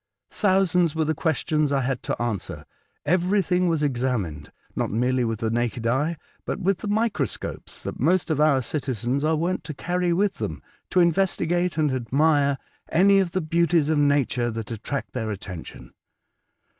Thousands were the questions I had to answer. Everything was examined, not merely with the naked eye, but with the micro scopes that most of our citizens are wont to carry with them to investigate and admire any of the beauties of nature that attract their attention.